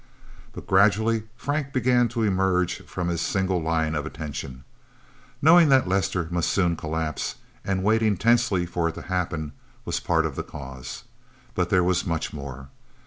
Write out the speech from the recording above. But gradually Frank began to emerge from his single line of attention. Knowing that Lester must soon collapse, and waiting tensely for it to happen, was part of the cause. But there was much more.